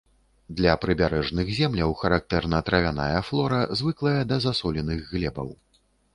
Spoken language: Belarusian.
Для прыбярэжных земляў характэрна травяная флора, звыклая да засоленых глебаў.